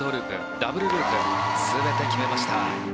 ダブルループ全て決めました。